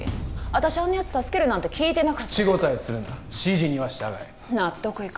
私あんなヤツ助けるなんて聞いてなかった口答えするな指示には従え納得いか